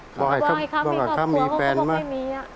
บอกให้เขามีครอบครัวเขาก็บอกไม่มี